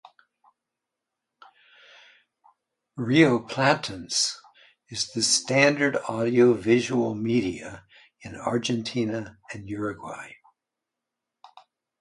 Rioplatense is the standard in audiovisual media in Argentina and Uruguay.